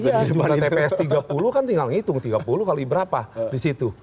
dimana tps tiga puluh kan tinggal ngitung tiga puluh kali berapa di situ